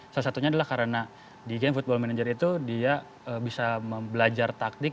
salah satunya adalah karena di game football manager itu dia bisa belajar taktik